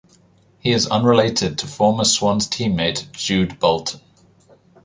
He is unrelated to former Swans teammate Jude Bolton.